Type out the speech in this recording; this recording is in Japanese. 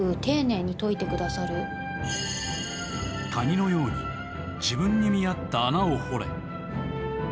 蟹のように自分に見合った穴を掘れ。